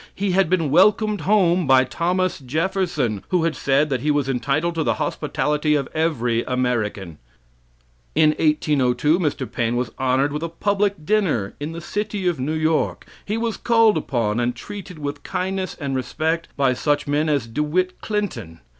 He had been welcomed home by Thomas Jefferson, who had said that he was entitled to the hospitality of every American. In 1802 Mr. Paine was honored with a public dinner in the City of New York. He was called upon and treated with kindness and respect by such men as De Witt Clinton.